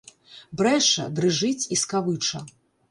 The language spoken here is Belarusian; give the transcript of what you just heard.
Брэша, дрыжыць і скавыча.